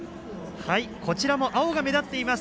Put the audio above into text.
こちらも青が目立っています